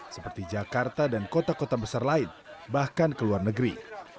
seperti jakarta dan kota kota besar lain bahkan ke luar negeri